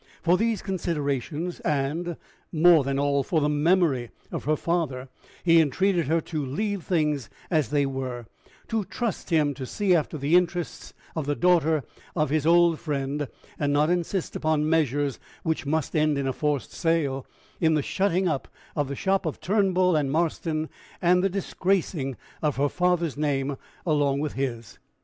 For these considerations, and, more than all, for the memory of her father, he entreated her to leave things as they were, to trust him to see after the interests of the daughter of his old friend, and not insist upon measures which must end in a forced sale, in the shutting up of the shop of Turnbull and Marston, and the disgracing of her father's name along with his.